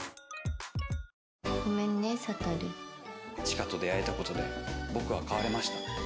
「知花と出会えたことで僕は変われました」